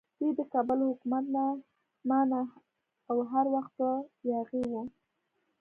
دوی د کابل حکومت نه مانه او هر وخت به یاغي وو.